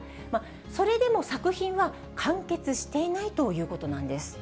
それでも作品は完結していないということなんです。